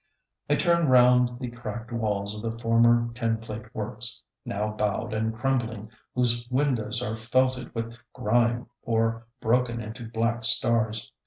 ] I turn round the cracked walls of the former tinplate works, now bowed and crumbling, whose windows are felted with grime or broken into black stars.